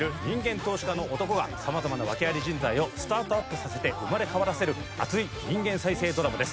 投資家の男が様々な訳あり人材をスタートアップさせて生まれ変わらせる熱い人間再生ドラマです。